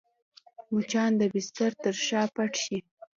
مچان د بستر تر شا پټ شي